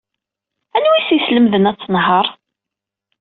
Anwa ay as-yeslemden ad tenheṛ?